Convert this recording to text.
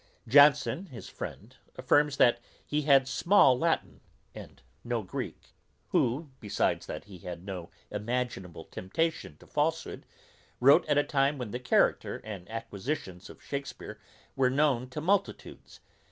Johnson, his friend, affirms, that he had small Latin, and no Greek; who, besides that he had no imaginable temptation to falsehood, wrote at a time when the character and acquisitions of Shakespeare were known to multitudes.